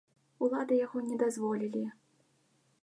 Улады яго не дазволілі.